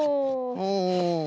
うん。